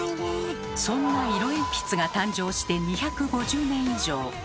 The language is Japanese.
そんな色鉛筆が誕生して２５０年以上。